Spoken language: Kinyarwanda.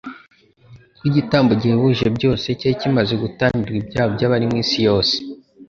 ko igitambo gihebuje byose cyari kimaze gutambirwa ibyaha by'abari mu isi yose.